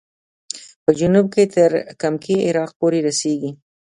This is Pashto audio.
په جنوب کې تر کمکي عراق پورې رسېږي.